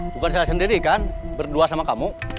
bukan saya sendiri kan berdua sama kamu